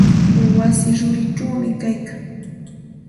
Wasi rurichawmi kaylkan.